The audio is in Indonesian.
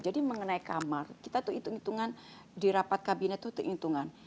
jadi mengenai kamar kita itu hitungan di rapat kabinet itu itu hitungan